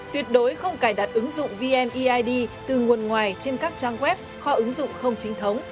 tuyệt đối không cài đặt ứng dụng vneid từ nguồn ngoài trên các trang web kho ứng dụng không chính thống